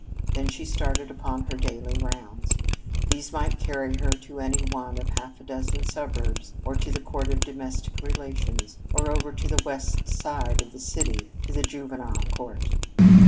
Then she started upon her daily rounds. These might carry her to any one of half a dozen suburbs or to the Court of Domestic Relations, or over on the West Side of the city to the Juvenile Court.